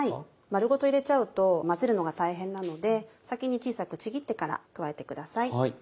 丸ごと入れちゃうと混ぜるのが大変なので先に小さくちぎってから加えてください。